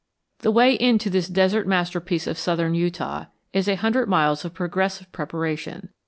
The way in to this desert masterpiece of southern Utah is a hundred miles of progressive preparation.